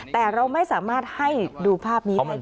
แต่เราไม่สามารถให้ดูภาพนี้ได้